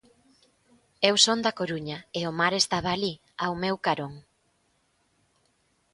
Eu son da Coruña e o mar estaba alí, ao meu carón.